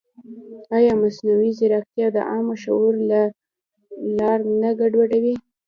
ایا مصنوعي ځیرکتیا د عامه شعور لار نه ګډوډوي؟